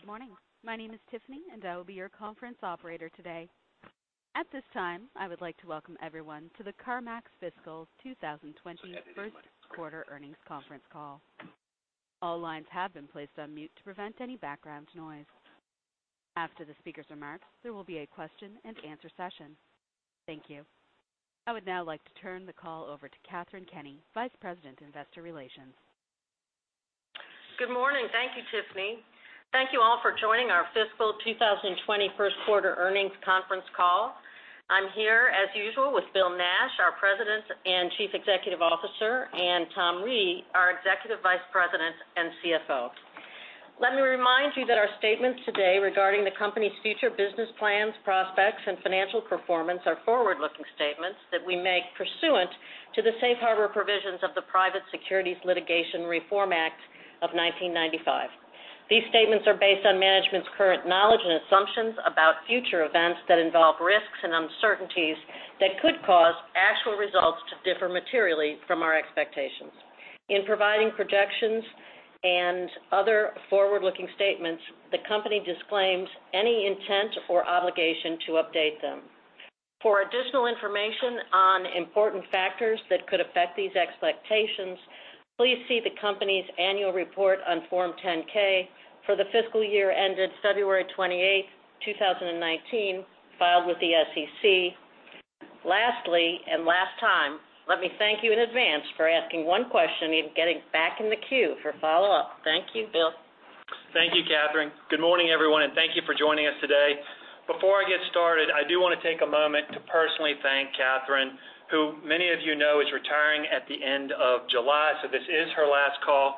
Good morning. My name is Tiffany, and I will be your conference operator today. At this time, I would like to welcome everyone to the CarMax Fiscal 2020 first quarter earnings conference call. All lines have been placed on mute to prevent any background noise. After the speaker's remarks, there will be a question and answer session. Thank you. I would now like to turn the call over to Katharine Kenny, Vice President, Investor Relations. Good morning. Thank you, Tiffany. Thank you all for joining our fiscal 2020 first quarter earnings conference call. I'm here, as usual, with Bill Nash, our President and Chief Executive Officer, and Tom Reedy, our Executive Vice President and CFO. Let me remind you that our statements today regarding the company's future business plans, prospects, and financial performance are forward-looking statements that we make pursuant to the safe harbor provisions of the Private Securities Litigation Reform Act of 1995. These statements are based on management's current knowledge and assumptions about future events that involve risks and uncertainties that could cause actual results to differ materially from our expectations. In providing projections and other forward-looking statements, the company disclaims any intent or obligation to update them. For additional information on important factors that could affect these expectations, please see the company's annual report on Form 10-K for the fiscal year ended February 28, 2019, filed with the SEC. Lastly, and last time, let me thank you in advance for asking one question and getting back in the queue for follow-up. Thank you. Bill? Thank you, Katharine. Good morning, everyone, and thank you for joining us today. Before I get started, I do want to take a moment to personally thank Katharine, who many of you know is retiring at the end of July, so this is her last call.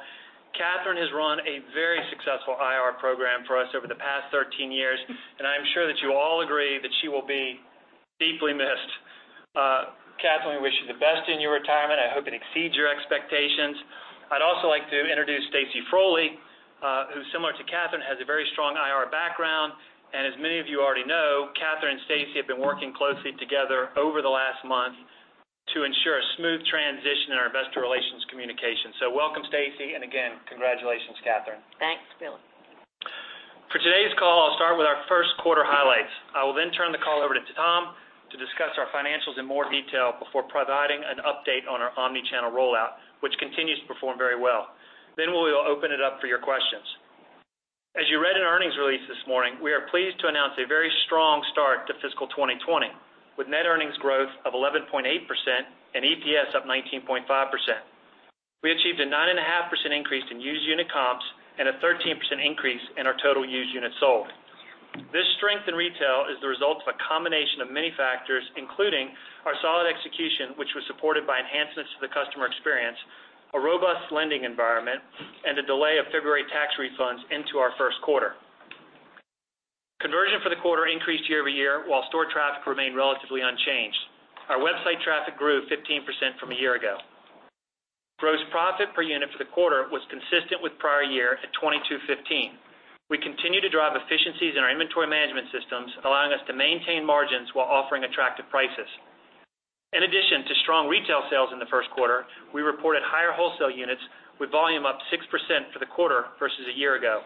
Katharine has run a very successful IR program for us over the past 13 years, and I am sure that you all agree that she will be deeply missed. Katharine, we wish you the best in your retirement. I hope it exceeds your expectations. I'd also like to introduce Stacy Frole, who similar to Katharine, has a very strong IR background. As many of you already know, Katharine and Stacy have been working closely together over the last month to ensure a smooth transition in our investor relations communication. Welcome, Stacy, and again, congratulations, Katharine. Thanks, Bill. For today's call, I'll start with our first quarter highlights. I will turn the call over to Tom to discuss our financials in more detail before providing an update on our omni-channel rollout, which continues to perform very well. We will open it up for your questions. As you read in earnings release this morning, we are pleased to announce a very strong start to fiscal 2020, with net earnings growth of 11.8% and EPS up 19.5%. We achieved a nine and a half % increase in used unit comps and a 13% increase in our total used units sold. This strength in retail is the result of a combination of many factors, including our solid execution, which was supported by enhancements to the customer experience, a robust lending environment, and a delay of February tax refunds into our first quarter. Conversion for the quarter increased year-over-year while store traffic remained relatively unchanged. Our website traffic grew 15% from a year ago. Gross profit per unit for the quarter was consistent with prior year at $2,215. We continue to drive efficiencies in our inventory management systems, allowing us to maintain margins while offering attractive prices. In addition to strong retail sales in the first quarter, we reported higher wholesale units with volume up 6% for the quarter versus a year ago.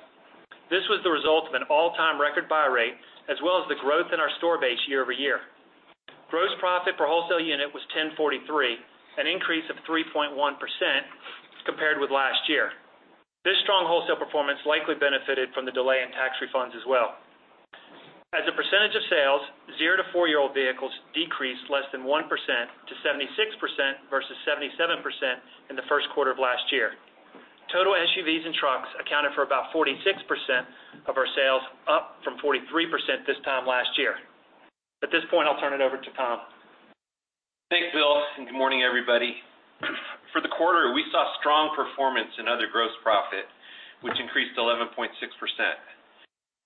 This was the result of an all-time record buy rate, as well as the growth in our store base year-over-year. Gross profit per wholesale unit was $1,043, an increase of 3.1% compared with last year. This strong wholesale performance likely benefited from the delay in tax refunds as well. As a percentage of sales, zero to four-year-old vehicles decreased less than 1% to 76%, versus 77% in the first quarter of last year. Total SUVs and trucks accounted for about 46% of our sales, up from 43% this time last year. At this point, I'll turn it over to Tom. Thanks, Bill, and good morning, everybody. For the quarter, we saw strong performance in other gross profit, which increased 11.6%.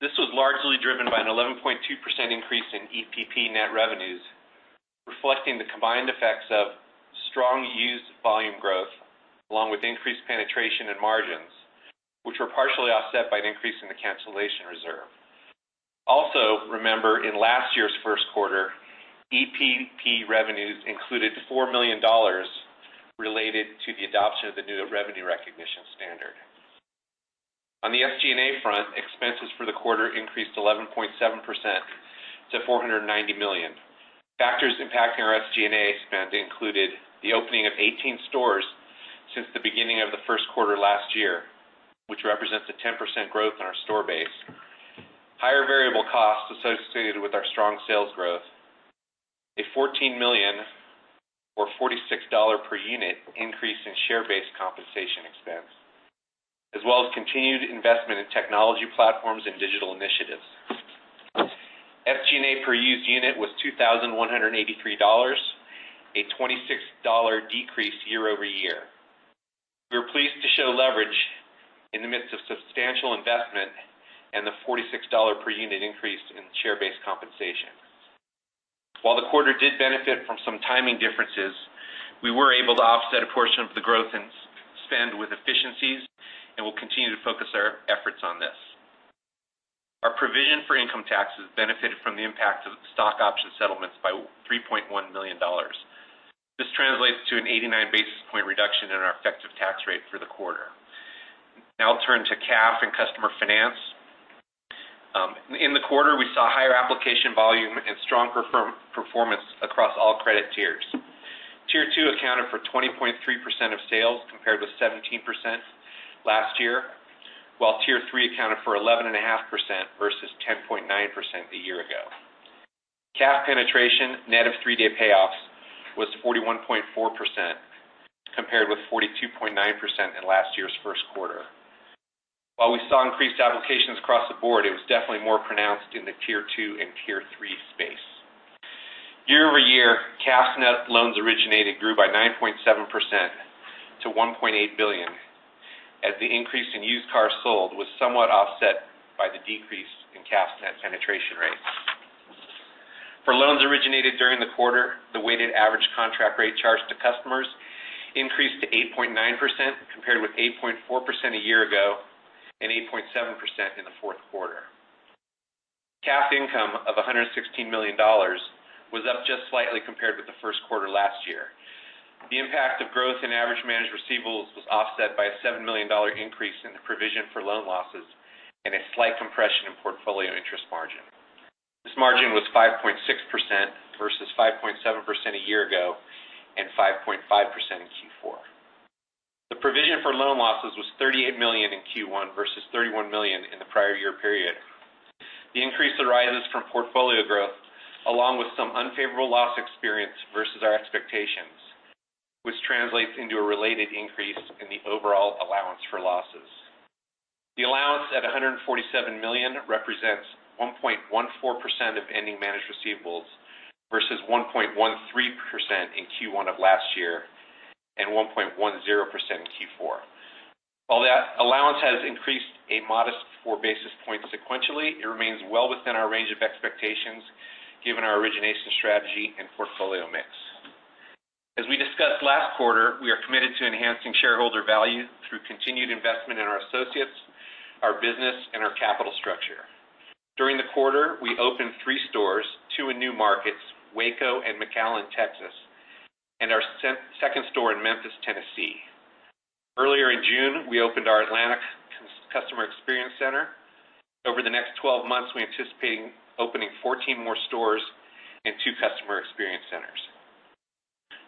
This was largely driven by an 11.2% increase in EPP net revenues, reflecting the combined effects of strong used volume growth along with increased penetration and margins, which were partially offset by an increase in the cancellation reserve. Also, remember in last year's first quarter, EPP revenues included $4 million related to the adoption of the new revenue recognition standard. On the SG&A front, expenses for the quarter increased 11.7% to $490 million. Factors impacting our SG&A spend included the opening of 18 stores since the beginning of the first quarter last year, which represents a 10% growth in our store base. Higher variable costs associated with our strong sales growth, a $14 million or $46 per unit increase in share-based compensation expense, as well as continued investment in technology platforms and digital initiatives. SG&A per used unit was $2,183, a $26 decrease year-over-year. We are pleased to show leverage in the midst of substantial investment and the $46 per unit increase in share-based compensation. While the quarter did benefit from some timing differences, we were able to offset a portion of the growth in spend with efficiencies and will continue to focus our efforts on this. Provision for income taxes benefited from the impact of stock option settlements by $3.1 million. This translates to an 89 basis point reduction in our effective tax rate for the quarter. Now I'll turn to CAF and customer finance. In the quarter, we saw higher application volume and stronger performance across all credit tiers. Tier 2 accounted for 20.3% of sales, compared with 17% last year, while tier 3 accounted for 11.5% versus 10.9% a year ago. CAF penetration, net of three-day payoffs, was 41.4%, compared with 42.9% in last year's first quarter. While we saw increased applications across the board, it was definitely more pronounced in the tier 2 and tier 3 space. Year-over-year, CAF net loans originated grew by 9.7% to $1.8 billion, as the increase in used cars sold was somewhat offset by the decrease in CAF net penetration rates. For loans originated during the quarter, the weighted average contract rate charged to customers increased to 8.9%, compared with 8.4% a year ago and 8.7% in the fourth quarter. CAF income of $116 million was up just slightly compared with the first quarter last year. The impact of growth in average managed receivables was offset by a $7 million increase in the provision for loan losses and a slight compression in portfolio interest margin. This margin was 5.6% versus 5.7% a year ago and 5.5% in Q4. The provision for loan losses was $38 million in Q1 versus $31 million in the prior year period. The increase arises from portfolio growth, along with some unfavorable loss experience versus our expectations, which translates into a related increase in the overall allowance for losses. The allowance at $147 million represents 1.14% of ending managed receivables versus 1.13% in Q1 of last year and 1.10% in Q4. While that allowance has increased a modest four basis points sequentially, it remains well within our range of expectations given our origination strategy and portfolio mix. As we discussed last quarter, we are committed to enhancing shareholder value through continued investment in our associates, our business, and our capital structure. During the quarter, we opened three stores, two in new markets, Waco and McAllen, Texas, and our second store in Memphis, Tennessee. Earlier in June, we opened our Atlanta Customer Experience Center. Over the next 12 months, we anticipate opening 14 more stores and two Customer Experience Centers.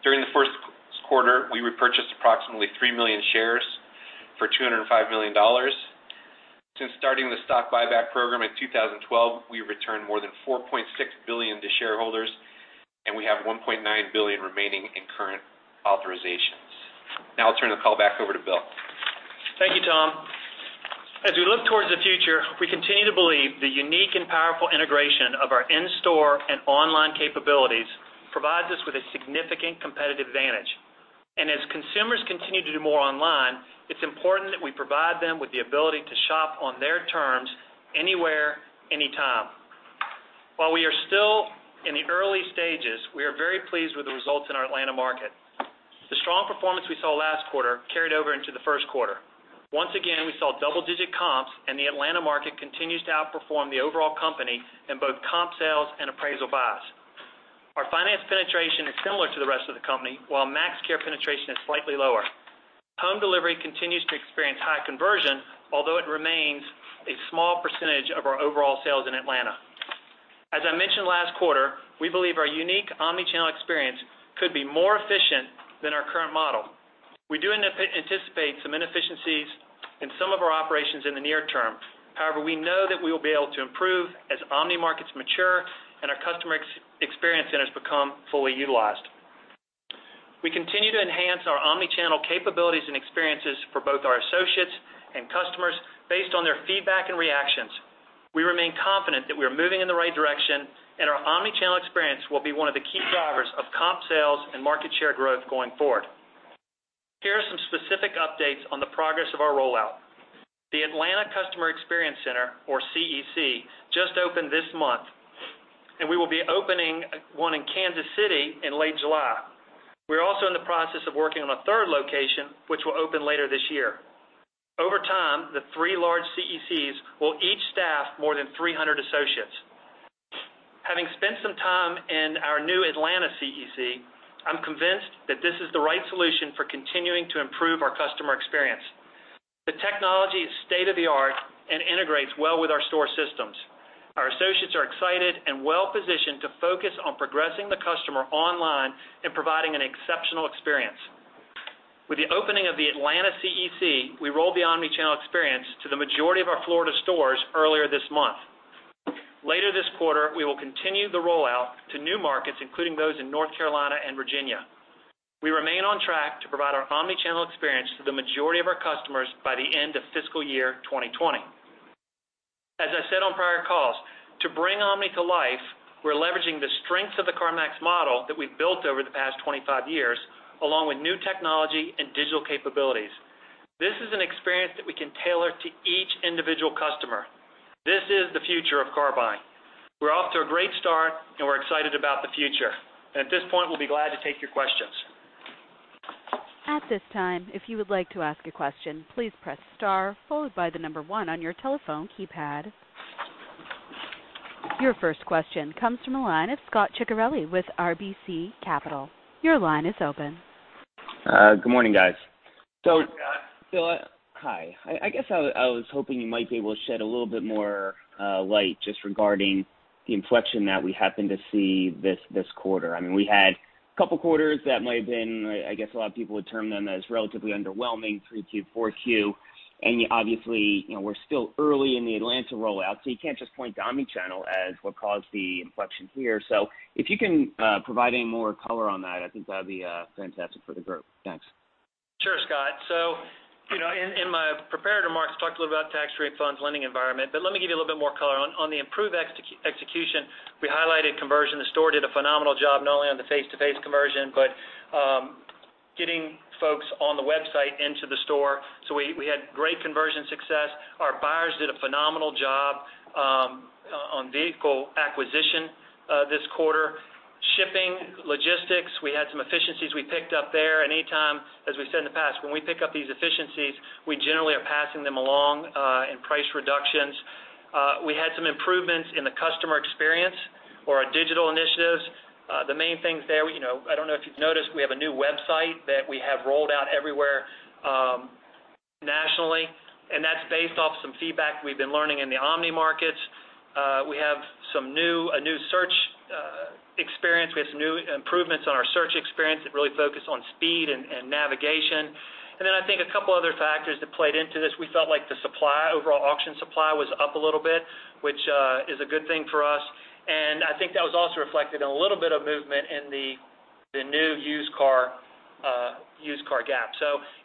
During the first quarter, we repurchased approximately 3 million shares for $205 million. Since starting the stock buyback program in 2012, we have returned more than $4.6 billion to shareholders, and we have $1.9 billion remaining in current authorizations. Now I'll turn the call back over to Bill. Thank you, Tom. As we look towards the future, we continue to believe the unique and powerful integration of our in-store and online capabilities provides us with a significant competitive advantage. As consumers continue to do more online, it's important that we provide them with the ability to shop on their terms anywhere, anytime. While we are still in the early stages, we are very pleased with the results in our Atlanta market. The strong performance we saw last quarter carried over into the first quarter. Once again, we saw double-digit comps, and the Atlanta market continues to outperform the overall company in both comp sales and appraisal buys. Our finance penetration is similar to the rest of the company, while MaxCare penetration is slightly lower. Home delivery continues to experience high conversion, although it remains a small percentage of our overall sales in Atlanta. As I mentioned last quarter, we believe our unique omni-channel experience could be more efficient than our current model. We do anticipate some inefficiencies in some of our operations in the near term. However, we know that we will be able to improve as omni markets mature and our Customer Experience Centers become fully utilized. We continue to enhance our omni-channel capabilities and experiences for both our associates and customers based on their feedback and reactions. Our omni-channel experience will be one of the key drivers of comp sales and market share growth going forward. Here are some specific updates on the progress of our rollout. The Atlanta Customer Experience Center, or CEC, just opened this month, and we will be opening one in Kansas City in late July. We're also in the process of working on a third location, which will open later this year. Over time, the three large CECs will each staff more than 300 associates. Having spent some time in our new Atlanta CEC, I'm convinced that this is the right solution for continuing to improve our customer experience. The technology is state-of-the-art and integrates well with our store systems. Our associates are excited and well-positioned to focus on progressing the customer online and providing an exceptional experience. With the opening of the Atlanta CEC, we rolled the omni-channel experience to the majority of our Florida stores earlier this month. Later this quarter, we will continue the rollout to new markets, including those in North Carolina and Virginia. We remain on track to provide our omni-channel experience to the majority of our customers by the end of fiscal year 2020. As I said on prior calls, to bring omni to life, we're leveraging the strengths of the CarMax model that we've built over the past 25 years, along with new technology and digital capabilities. This is an experience that we can tailor to each individual customer. This is the future of car buying. We're off to a great start, and we're excited about the future. At this point, we'll be glad to take your questions At this time, if you would like to ask a question, please press star followed by the number 1 on your telephone keypad. Your first question comes from the line of Scot Ciccarelli with RBC Capital. Your line is open. Good morning, guys. Bill, hi. I guess I was hoping you might be able to shed a little bit more light just regarding the inflection that we happen to see this quarter. We had a couple of quarters that might have been, I guess a lot of people would term them as relatively underwhelming, 3Q, 4Q. Obviously, we're still early in the Atlanta rollout, so you can't just point to omni-channel as what caused the inflection here. If you can provide any more color on that, I think that'd be fantastic for the group. Thanks. Sure, Scot. In my prepared remarks, talked a little about tax refunds, lending environment, let me give you a little bit more color. On the improved execution, we highlighted conversion. The store did a phenomenal job, not only on the face-to-face conversion, but getting folks on the website into the store. We had great conversion success. Our buyers did a phenomenal job on vehicle acquisition this quarter. Shipping, logistics, we had some efficiencies we picked up there. Anytime, as we've said in the past, when we pick up these efficiencies, we generally are passing them along in price reductions. We had some improvements in the customer experience for our digital initiatives. The main things there, I don't know if you've noticed, we have a new website that we have rolled out everywhere nationally, and that's based off some feedback we've been learning in the omni markets. We have a new search experience. We have some new improvements on our search experience that really focus on speed and navigation. I think a couple other factors that played into this, we felt like the overall auction supply was up a little bit, which is a good thing for us. I think that was also reflected in a little bit of movement in the new used car gap.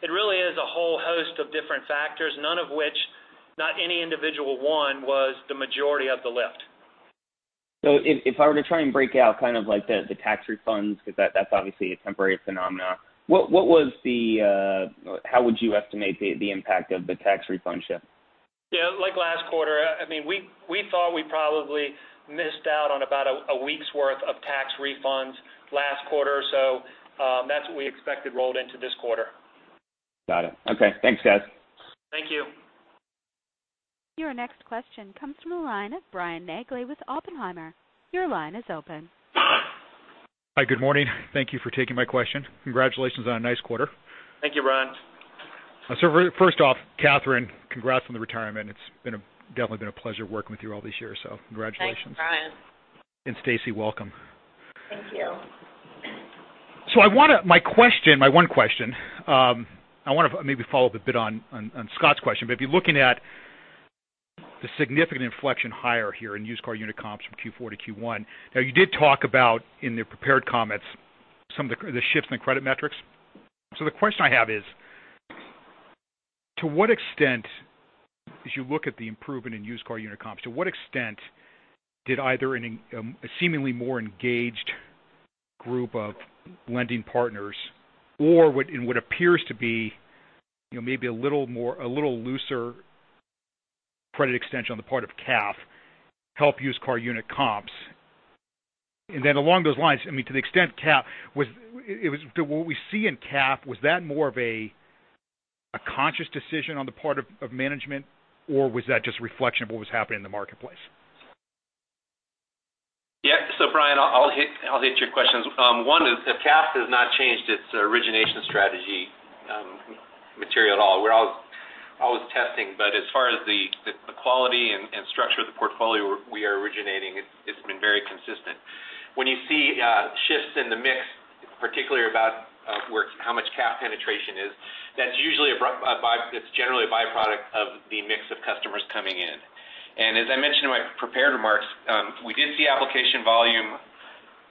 It really is a whole host of different factors, none of which, not any individual one was the majority of the lift. If I were to try and break out the tax refunds, because that's obviously a temporary phenomena, how would you estimate the impact of the tax refund shift? Yeah, like last quarter, we thought we probably missed out on about a week's worth of tax refunds last quarter. That's what we expected rolled into this quarter. Got it. Okay. Thanks, guys. Thank you. Your next question comes from the line of Brian Nagel with Oppenheimer. Your line is open. Hi, good morning. Thank you for taking my question. Congratulations on a nice quarter. Thank you, Brian. First off, Katharine, congrats on the retirement. It's definitely been a pleasure working with you all these years, so congratulations. Thanks, Brian. Stacy, welcome. Thank you. My one question, I want to maybe follow up a bit on Scot's question, but if you're looking at the significant inflection higher here in used car unit comps from Q4 to Q1. You did talk about, in the prepared comments, some of the shifts in the credit metrics. The question I have is, as you look at the improvement in used car unit comps, to what extent did either a seemingly more engaged group of lending partners or in what appears to be maybe a little looser credit extension on the part of CAF help used car unit comps? And then along those lines, to the extent CAF, what we see in CAF, was that more of a conscious decision on the part of management, or was that just a reflection of what was happening in the marketplace? Yeah. Brian, I'll hit your questions. One is that CAF has not changed its origination strategy material at all. We're always testing, but as far as the quality and structure of the portfolio we are originating, it's been very consistent. When you see shifts in the mix, particularly about how much CAF penetration is, that's generally a byproduct of the mix of customers coming in. As I mentioned in my prepared remarks, we did see application volume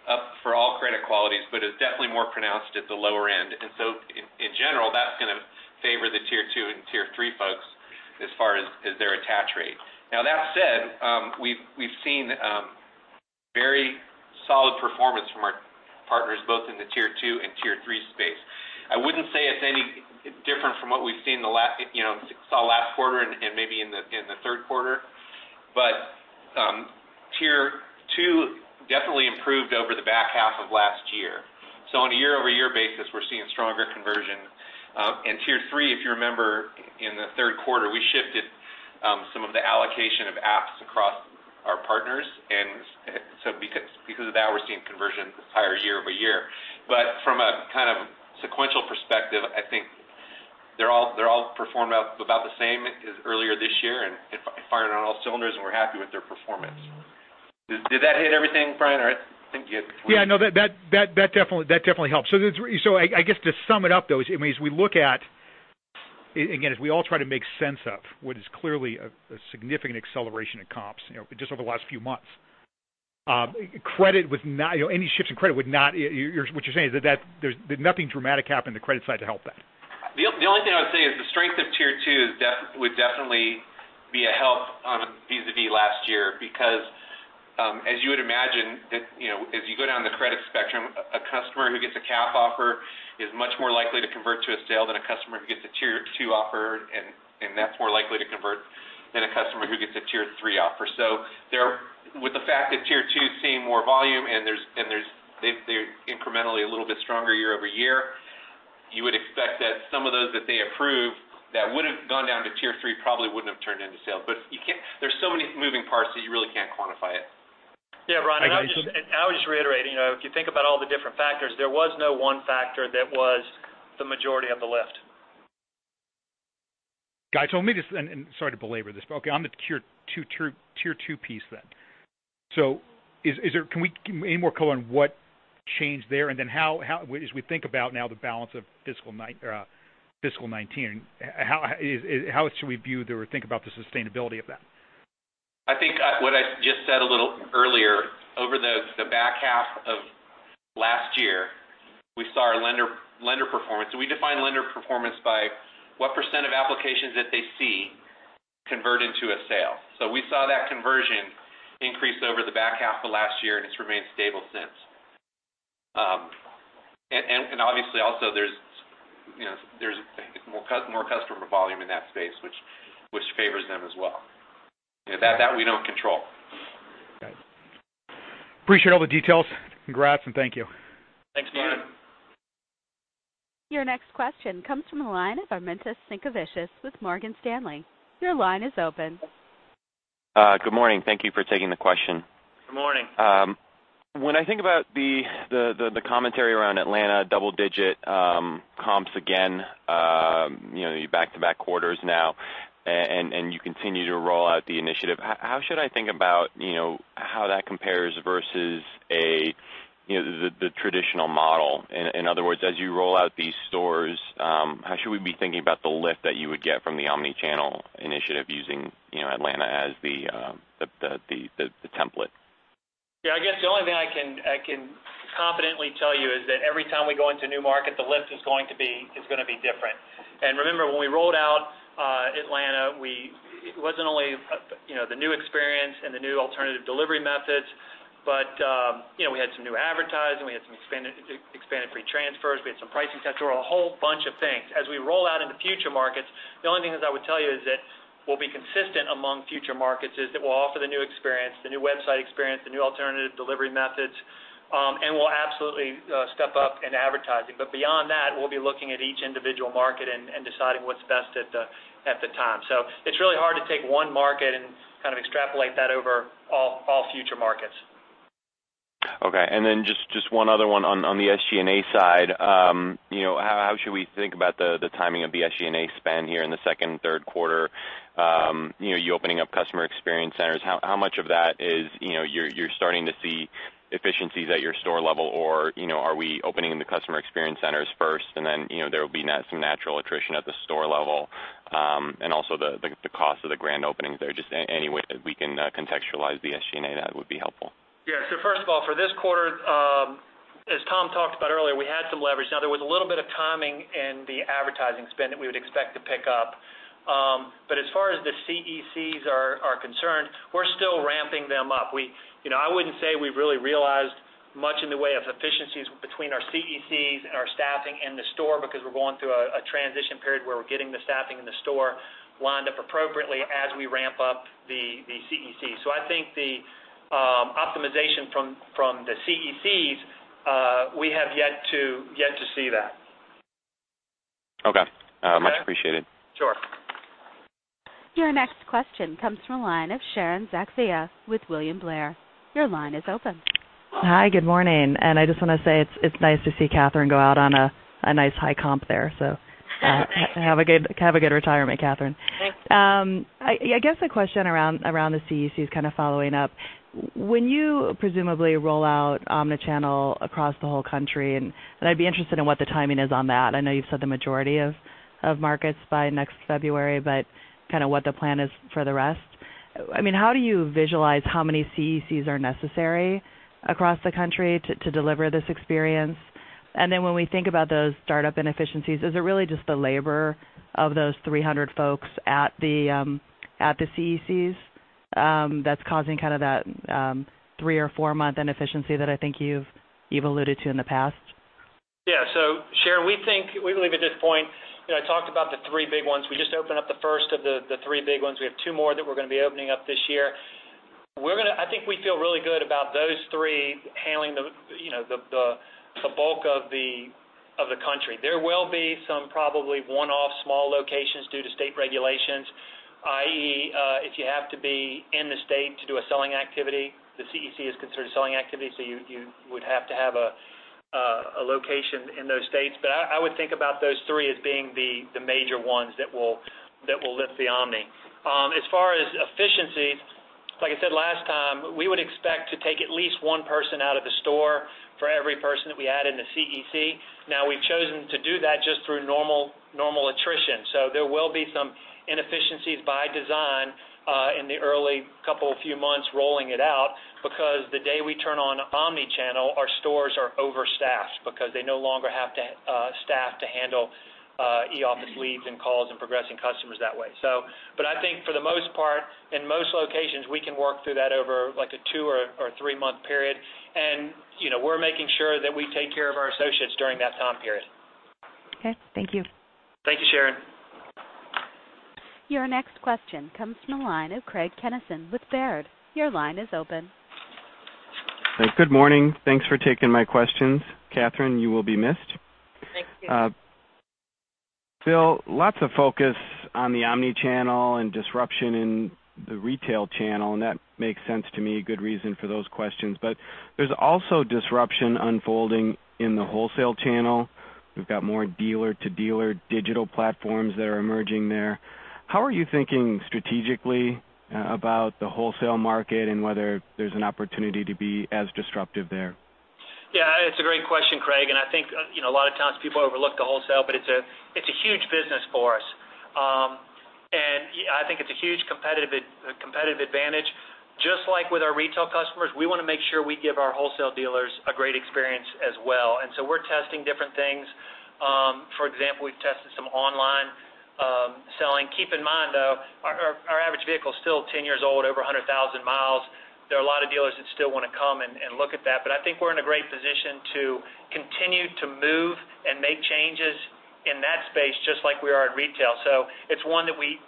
up for all credit qualities, but it's definitely more pronounced at the lower end. In general, that's going to favor the tier 2 and tier 3 folks as far as their attach rate. That said, we've seen very solid performance from our partners, both in the tier 2 and tier 3 space. I wouldn't say it's any different from what we saw last quarter and maybe in the third quarter. Tier 2 definitely improved over the back half of last year. On a year-over-year basis, we're seeing stronger conversion. Tier 3, if you remember in the third quarter, we shifted some of the allocation of apps across our partners. Because of that, we're seeing conversions higher year over year. From a kind of sequential perspective, I think they all performed about the same as earlier this year and firing on all cylinders, and we're happy with their performance. Did that hit everything, Brian? All right. Yeah, no, that definitely helps. I guess to sum it up, though, as we look at, again, as we all try to make sense of what is clearly a significant acceleration in comps just over the last few months. What you're saying is that nothing dramatic happened in the credit side to help that. The only thing I would say is the strength of tier 2 would definitely be a help vis-a-vis last year, because as you would imagine, as you go down the credit spectrum, a customer who gets a CAF offer is much more likely to convert to a sale than a customer who gets a tier 2 offer, and that's more likely to convert than a customer who gets a tier 3 offer. With the fact that tier 2 is seeing more volume, and they're incrementally a little bit stronger year-over-year, you would expect that some of those that they approve that would've gone down to tier 3 probably wouldn't have turned into sales. There's so many moving parts that you really can't quantify it. Yeah, Brian, I would just reiterate, if you think about all the different factors, there was no one factor that was the majority of the lift. Got you. Sorry to belabor this, but okay, on the tier 2 piece then. Can we get any more color on what changed there? As we think about now the balance of fiscal 2019, how should we view or think about the sustainability of that? I think what I just said a little earlier, over the back half of last year, we saw our lender performance. We define lender performance by what % of applications that they see convert into a sale. We saw that conversion increase over the back half of last year, and it's remained stable since. Obviously also there's more customer volume in that space, which favors them as well. That we don't control. Got it. Appreciate all the details. Congrats and thank you. Thanks, Ron. Your next question comes from the line of Armintas Sinkevicius with Morgan Stanley. Your line is open. Good morning. Thank you for taking the question. Good morning. When I think about the commentary around Atlanta, double-digit comps again, back-to-back quarters now, and you continue to roll out the initiative, how should I think about how that compares versus the traditional model? In other words, as you roll out these stores, how should we be thinking about the lift that you would get from the omni-channel initiative using Atlanta as the template? Yeah, I guess the only thing I can confidently tell you is that every time we go into a new market, the lift is going to be different. Remember, when we rolled out Atlanta, it wasn't only the new experience and the new alternative delivery methods, but we had some new advertising, we had some expanded free transfers, we had some pricing sets. There were a whole bunch of things. As we roll out into future markets, the only thing is I would tell you is that what will be consistent among future markets is that we'll offer the new experience, the new website experience, the new alternative delivery methods, and we'll absolutely step up in advertising. Beyond that, we'll be looking at each individual market and deciding what's best at the time. It's really hard to take one market and kind of extrapolate that over all future markets. Okay. Then just one other one on the SG&A side. How should we think about the timing of the SG&A spend here in the second and third quarter? You opening up Customer Experience Centers, how much of that is you're starting to see efficiencies at your store level, or are we opening the Customer Experience Centers first and then there will be some natural attrition at the store level, and also the cost of the grand openings there? Just any way that we can contextualize the SG&A, that would be helpful. Yeah. First of all, for this quarter, as Tom talked about earlier, we had some leverage. Now, there was a little bit of timing in the advertising spend that we would expect to pick up. As far as the CECs are concerned, we're still ramping them up. I wouldn't say we've really realized much in the way of efficiencies between our CECs and our staffing and the store because we're going through a transition period where we're getting the staffing in the store lined up appropriately as we ramp up the CEC. I think the optimization from the CECs, we have yet to see that. Okay. Much appreciated. Sure. Your next question comes from the line of Sharon Zackfia with William Blair. Your line is open. Hi, good morning. I just want to say it's nice to see Katharine go out on a nice high comp there, so have a good retirement, Katharine. Thanks. I guess the question around the CEC is kind of following up. When you presumably roll out omni-channel across the whole country, and I'd be interested in what the timing is on that. I know you've said the majority of markets by next February, but kind of what the plan is for the rest. How do you visualize how many CECs are necessary across the country to deliver this experience? When we think about those startup inefficiencies, is it really just the labor of those 300 folks at the CECs that's causing kind of that three or four-month inefficiency that I think you've alluded to in the past? Yeah. Sharon, we believe at this point, I talked about the three big ones. We just opened up the first of the three big ones. We have two more that we're going to be opening up this year. I think we feel really good about those three handling the bulk of the country. There will be some probably one-off small locations due to state regulations, i.e., if you have to be in the state to do a selling activity, the CEC is considered a selling activity, so you would have to have a location in those states. I would think about those three as being the major ones that will lift the omni. As far as efficiency, like I said last time, we would expect to take at least one person out of the store for every person that we add in the CEC. We've chosen to do that just through normal attrition. There will be some inefficiencies by design, in the early couple few months rolling it out, because the day we turn on omni-channel, our stores are overstaffed because they no longer have to staff to handle eOffice leads and calls and progressing customers that way. I think for the most part, in most locations, we can work through that over like a two or three-month period. We're making sure that we take care of our associates during that time period. Okay. Thank you. Thank you, Sharon. Your next question comes from the line of Craig Kennison with Baird. Your line is open. Good morning. Thanks for taking my questions. Katharine, you will be missed. Thank you. Bill, lots of focus on the omni-channel and disruption in the retail channel. That makes sense to me. A good reason for those questions. There's also disruption unfolding in the wholesale channel. We've got more dealer-to-dealer digital platforms that are emerging there. How are you thinking strategically about the wholesale market and whether there's an opportunity to be as disruptive there? Yeah, it's a great question, Craig. I think a lot of times people overlook the wholesale, but it's a huge business for us. I think it's a huge competitive advantage. Just like with our retail customers, we want to make sure we give our wholesale dealers a great experience as well. We're testing different things. For example, we've tested some online selling. Keep in mind, though, our average vehicle is still 10 years old, over 100,000 miles. There are a lot of dealers that still want to come and look at that. I think we're in a great position to continue to move and make changes in that space just like we are in retail. It's one that we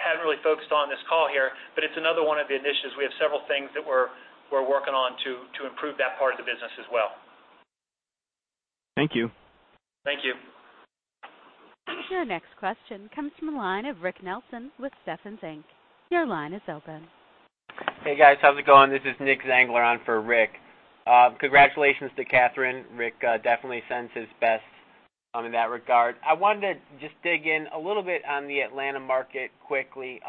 haven't really focused on this call here, but it's another one of the initiatives. We have several things that we're working on to improve that part of the business as well. Thank you. Thank you. Your next question comes from the line of Rick Nelson with Stephens Inc. Your line is open. Hey, guys. How's it going? This is Nicholas Zangler on for Rick. Congratulations to Kathryn. Rick definitely sends his best in that regard. I wanted to just dig in a little bit on the Atlanta market quickly.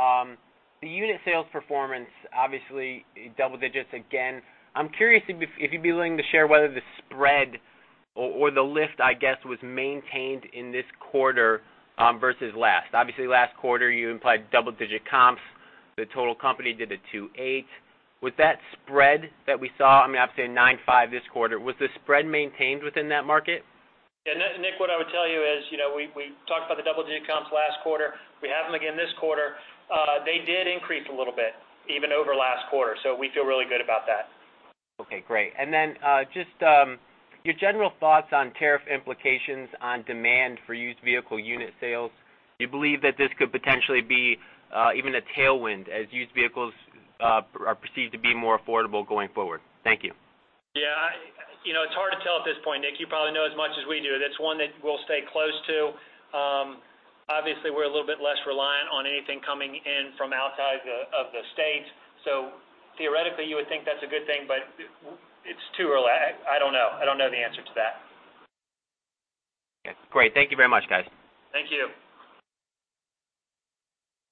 The unit sales performance, obviously double-digits again. I'm curious if you'd be willing to share whether the spread or the lift, I guess, was maintained in this quarter versus last. Obviously, last quarter you implied double-digit comps. The total company did a two eight. With that spread that we saw, I'm saying nine five this quarter, was the spread maintained within that market? Yeah. Nick, what I would tell you is, we talked about the double-digit comps last quarter. We have them again this quarter. They did increase a little bit, even over last quarter. We feel really good about that. Okay, great. Just your general thoughts on tariff implications on demand for used vehicle unit sales. Do you believe that this could potentially be even a tailwind as used vehicles are perceived to be more affordable going forward? Thank you. Yeah. It's hard to tell at this point, Nick. You probably know as much as we do. That's one that we'll stay close to. Obviously, we're a little bit less reliant on anything coming in from outside of the States. Theoretically, you would think that's a good thing, it's too early. I don't know. I don't know the answer to that. Okay, great. Thank you very much, guys. Thank you.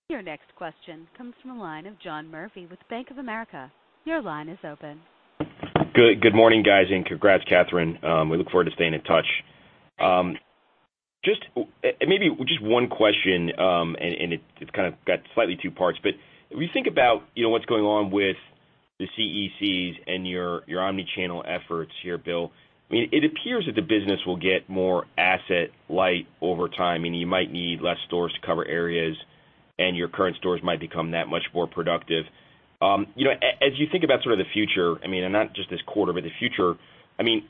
Your next question comes from the line of John Murphy with Bank of America. Your line is open. Good morning, guys, and congrats, Kathryn. We look forward to staying in touch. Maybe just one question, and it's kind of got slightly two parts, but if we think about what's going on with the CECs and your omni-channel efforts here, Bill, it appears that the business will get more asset light over time, and you might need less stores to cover areas, and your current stores might become that much more productive. As you think about sort of the future, and not just this quarter, but the future,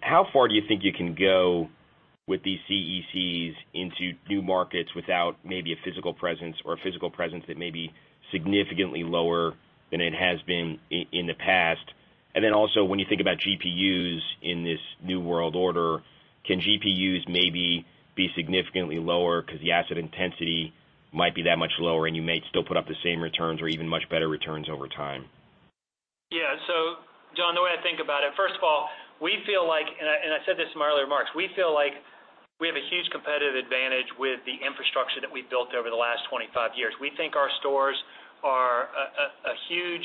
how far do you think you can go with these CECs into new markets without maybe a physical presence or a physical presence that may be significantly lower than it has been in the past? when you think about GPUs in this new world order, can GPUs maybe be significantly lower because the asset intensity might be that much lower, and you may still put up the same returns or even much better returns over time? John, the way I think about it, first of all, we feel like, and I said this in my earlier remarks, we feel like we have a huge competitive advantage with the infrastructure that we've built over the last 25 years. We think our stores are a huge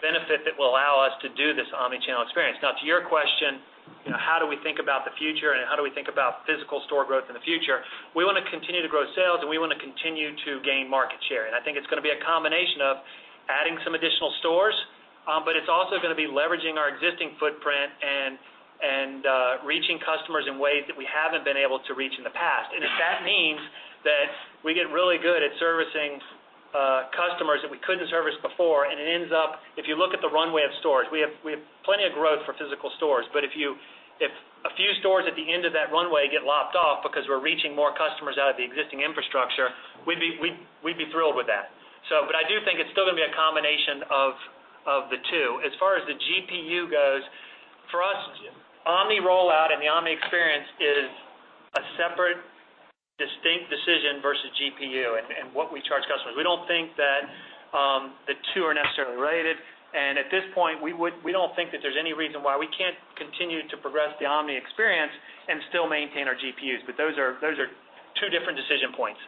benefit that will allow us to do this omni-channel experience. To your question, how do we think about the future and how do we think about physical store growth in the future? We want to continue to grow sales, and we want to continue to gain market share. I think it's going to be a combination of adding some additional stores, but it's also going to be leveraging our existing footprint and reaching customers in ways that we haven't been able to reach in the past. If that means that we get really good at servicing customers that we couldn't service before, and it ends up, if you look at the runway of stores, we have plenty of growth for physical stores. If a few stores at the end of that runway get lopped off because we're reaching more customers out of the existing infrastructure, we'd be thrilled with that. I do think it's still going to be a combination of the two. As far as the GPU goes, for us, omni rollout and the omni experience is a separate, distinct decision versus GPU and what we charge customers. We don't think that the two are necessarily related, and at this point, we don't think that there's any reason why we can't continue to progress the omni experience and still maintain our GPUs. Those are two different decision points.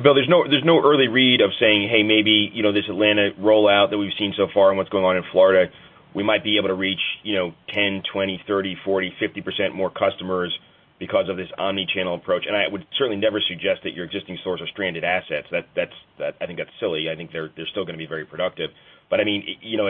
Bill, there's no early read of saying, hey, maybe this Atlanta rollout that we've seen so far and what's going on in Florida, we might be able to reach 10%, 20%, 30%, 40%, 50% more customers because of this omni-channel approach. I would certainly never suggest that your existing stores are stranded assets. I think that's silly. I think they're still going to be very productive. As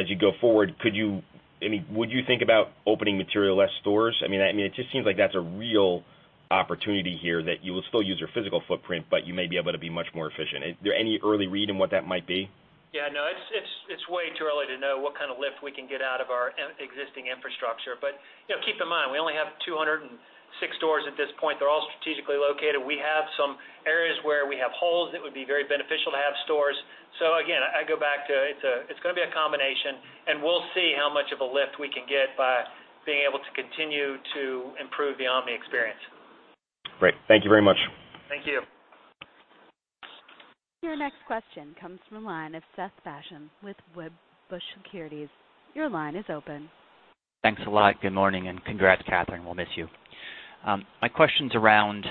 you go forward, would you think about opening material less stores? It just seems like that's a real opportunity here that you will still use your physical footprint, but you may be able to be much more efficient. Is there any early read on what that might be? It's way too early to know what kind of lift we can get out of our existing infrastructure. Keep in mind, we only have 206 stores at this point. They're all strategically located. We have some areas where we have holes that would be very beneficial to have stores. Again, I go back to, it's going to be a combination, and we'll see how much of a lift we can get by being able to continue to improve the omni experience. Great. Thank you very much. Thank you. Your next question comes from the line of Seth Basham with Wedbush Securities. Your line is open. Thanks a lot. Good morning, and congrats, Kathryn. We'll miss you. My question's around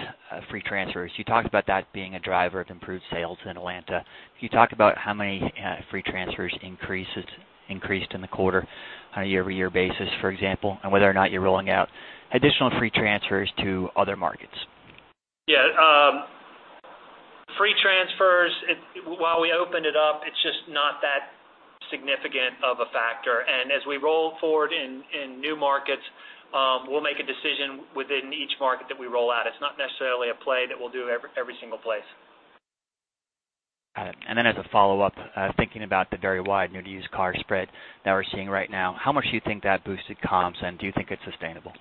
free transfers. You talked about that being a driver of improved sales in Atlanta. Can you talk about how many free transfers increased in the quarter on a year-over-year basis, for example, and whether or not you're rolling out additional free transfers to other markets? Yeah. Free transfers, while we opened it up, it's just not that significant of a factor. As we roll forward in new markets, we'll make a decision within each market that we roll out. It's not necessarily a play that we'll do every single place. Got it. As a follow-up, thinking about the very wide new-to-used car spread that we're seeing right now, how much do you think that boosted comps, and do you think it's sustainable?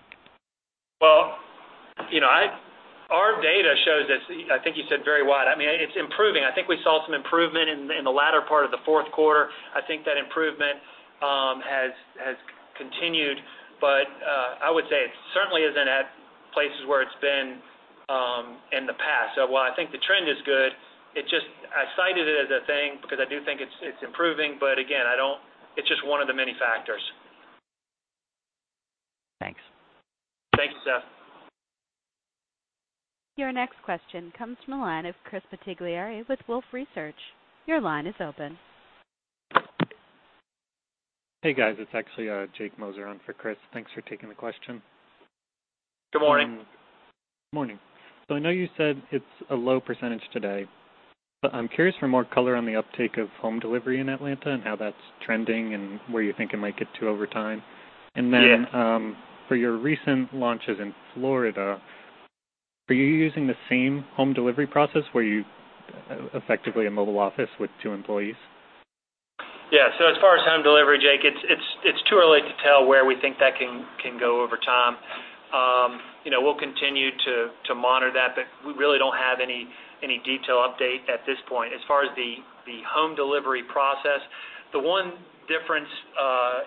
Our data shows us, I think you said very wide. It's improving. I think we saw some improvement in the latter part of the fourth quarter. I think that improvement has continued, but I would say it certainly isn't at places where it's been in the past. While I think the trend is good, I cited it as a thing because I do think it's improving. Again, it's just one of the many factors. Thanks. Thanks, Seth. Your next question comes from the line of Chris Bottiglieri with Wolfe Research. Your line is open. Hey, guys. It's actually Jake Moser on for Chris. Thanks for taking the question. Good morning. Morning. I know you said it's a low % today, but I'm curious for more color on the uptake of home delivery in Atlanta and how that's trending and where you think it might get to over time. Yes. For your recent launches in Florida, are you using the same home delivery process where you effectively a mobile office with two employees? Yeah. As far as home delivery, Jake, it's too early to tell where we think that can go over time. We'll continue to monitor that, but we really don't have any detail update at this point. As far as the home delivery process, the one difference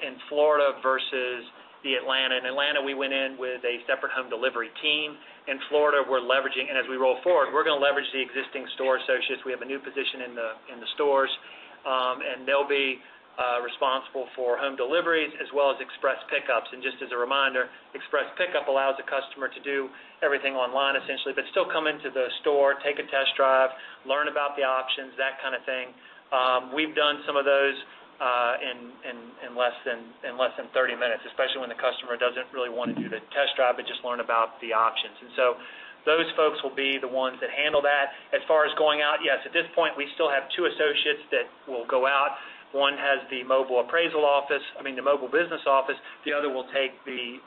in Florida versus the Atlanta, in Atlanta, we went in with a separate home delivery team. In Florida, we're leveraging, and as we roll forward, we're going to leverage the existing store associates. We have a new position in the stores, and they'll be responsible for home deliveries as well as express pickups. Just as a reminder, express pickup allows the customer to do everything online essentially, but still come into the store, take a test drive, learn about the options, that kind of thing. We've done some of those in less than 30 minutes, especially when the customer doesn't really want to do the test drive but just learn about the options. Those folks will be the ones that handle that. As far as going out, yes, at this point, we still have two associates that will go out. One has the mobile appraisal office, I mean the mobile business office. The other will take the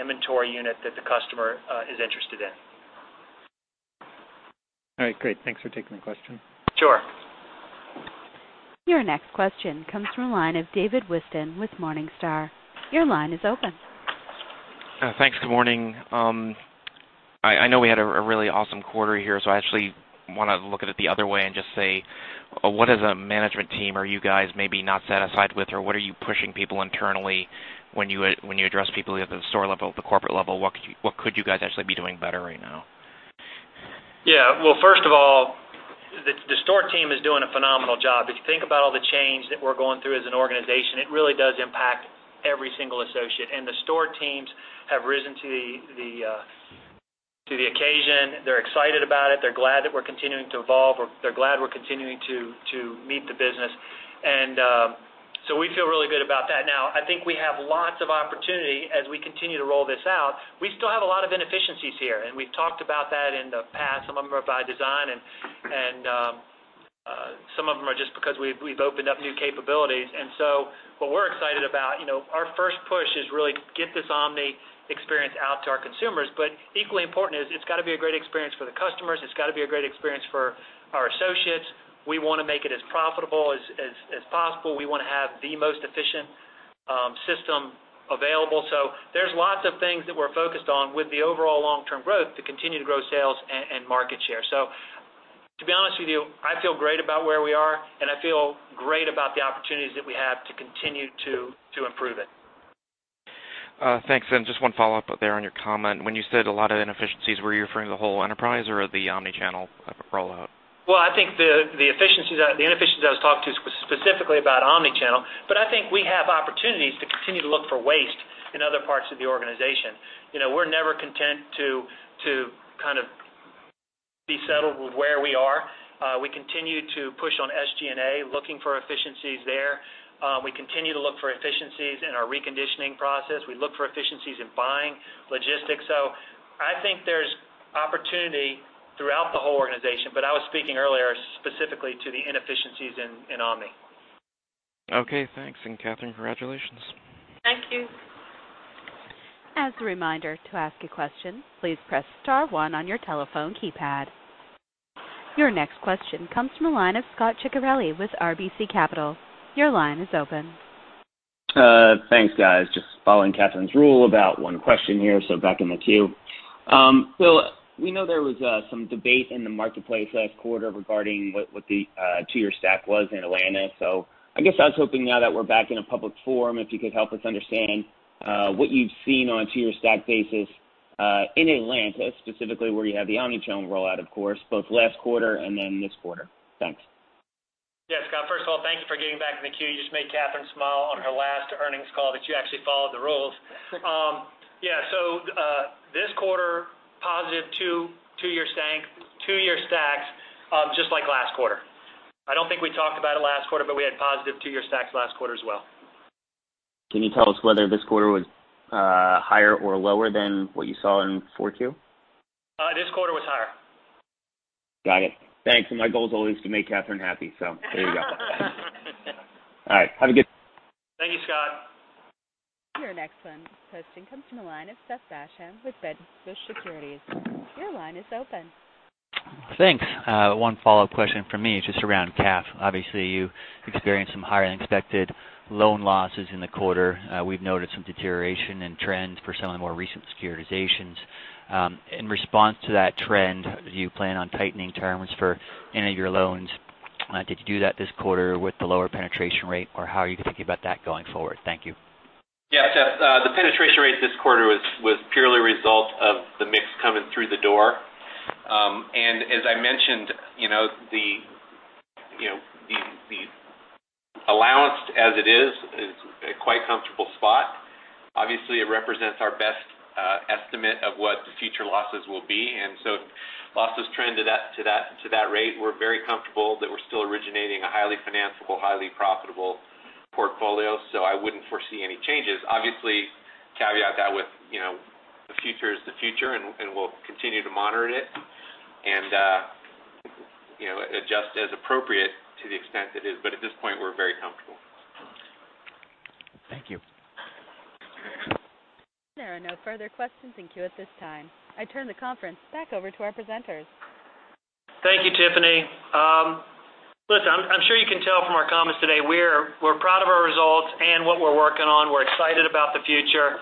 inventory unit that the customer is interested in. All right, great. Thanks for taking the question. Sure. Your next question comes from the line of David Whiston with Morningstar. Your line is open. Thanks. Good morning. I know we had a really awesome quarter here, so I actually want to look at it the other way and just say, what as a management team are you guys maybe not satisfied with, or what are you pushing people internally when you address people at the store level, the corporate level, what could you guys actually be doing better right now? Yeah. Well, first of all, the store team is doing a phenomenal job. If you think about all the change that we're going through as an organization, it really does impact every single associate. The store teams have risen to the occasion. They're excited about it. They're glad that we're continuing to evolve. They're glad we're continuing to meet the business. We feel really good about that. Now, I think we have lots of opportunity as we continue to roll this out. We still have a lot of inefficiencies here, and we've talked about that in the past. Some of them are by design, and some of them are just because we've opened up new capabilities. What we're excited about, our first push is really get this Omni experience out to our consumers. Equally important is it's got to be a great experience for the customers. It's got to be a great experience for our associates. We want to make it as profitable as possible. We want to have the most efficient system available. There's lots of things that we're focused on with the overall long-term growth to continue to grow sales and market share. To be honest with you, I feel great about where we are, and I feel great about the opportunities that we have to continue to improve it. Thanks. Just one follow-up there on your comment. When you said a lot of inefficiencies, were you referring to the whole enterprise or the omni-channel rollout? Well, I think the inefficiencies I was talking to specifically about omni-channel, but I think we have opportunities to continue to look for waste in other parts of the organization. We're never content to kind of be settled with where we are. We continue to push on SG&A, looking for efficiencies there. We continue to look for efficiencies in our reconditioning process. We look for efficiencies in buying logistics. I think there's opportunity throughout the whole organization, but I was speaking earlier specifically to the inefficiencies in omni. Okay, thanks. Katharine, congratulations. Thank you. As a reminder, to ask a question, please press star one on your telephone keypad. Your next question comes from the line of Scot Ciccarelli with RBC Capital. Your line is open. Thanks, guys. Just following Katharine's rule about one question here, back in the queue. We know there was some debate in the marketplace last quarter regarding what the two-year stack was in Atlanta. I guess I was hoping now that we're back in a public forum, if you could help us understand what you've seen on a two-year stack basis, in Atlanta specifically, where you have the omni-channel rollout, of course, both last quarter and then this quarter. Thanks. Yeah, Scot, first of all, thank you for getting back in the queue. You just made Katharine smile on her last earnings call that you actually followed the rules. Yeah. This quarter, positive two-year stacks, just like last quarter. I don't think we talked about it last quarter, but we had positive two-year stacks last quarter as well. Can you tell us whether this quarter was higher or lower than what you saw in four Q? This quarter was higher. Got it. Thanks. My goal is always to make Katharine happy. There you go. All right. Thank you, Scot. Your next question comes from the line of Seth Basham with Wedbush Securities. Your line is open. Thanks. One follow-up question from me, just around CAF. Obviously, you experienced some higher-than-expected loan losses in the quarter. We've noted some deterioration in trends for some of the more recent securitizations. In response to that trend, do you plan on tightening terms for any of your loans? Did you do that this quarter with the lower penetration rate, or how are you thinking about that going forward? Thank you. Yeah, Seth, the penetration rate this quarter was purely a result of the mix coming through the door. As I mentioned, the allowance as it is a quite comfortable spot. Obviously, it represents our best estimate of what future losses will be, and so losses trend to that rate. We're very comfortable that we're still originating a highly financiable, highly profitable portfolio. I wouldn't foresee any changes. Obviously, caveat that with the future is the future, and we'll continue to monitor it and adjust as appropriate to the extent it is. At this point, we're very comfortable. Thank you. There are no further questions in queue at this time. I turn the conference back over to our presenters. Thank you, Tiffany. Listen, I'm sure you can tell from our comments today, we're proud of our results and what we're working on. We're excited about the future.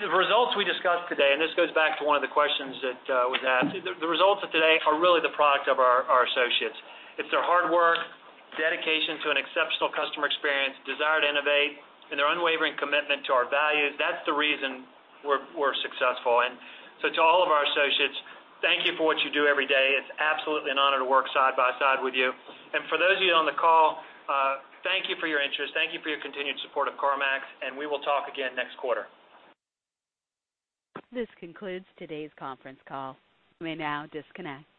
The results we discussed today, and this goes back to one of the questions that was asked. The results of today are really the product of our associates. It's their hard work, dedication to an exceptional customer experience, desire to innovate, and their unwavering commitment to our values. That's the reason we're successful. To all of our associates, thank you for what you do every day. It's absolutely an honor to work side by side with you. For those of you on the call, thank you for your interest. Thank you for your continued support of CarMax, and we will talk again next quarter. This concludes today's conference call. You may now disconnect.